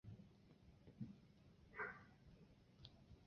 而伊拉克反恐局本身也受到伊拉克国防部资助。